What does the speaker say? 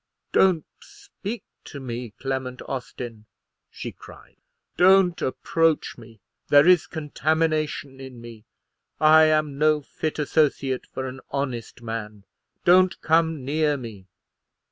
"Don't speak to me, Clement Austin," she cried; "don't approach me. There is contamination in me. I am no fit associate for an honest man. Don't come near me."